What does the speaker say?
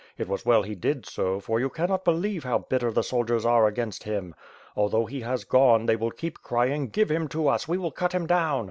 It was well he did so, for you cannot believe how bitter the soldiers are against him. Although he has gone, they still keep cry ing, 'Give him to us! We will cut him down!'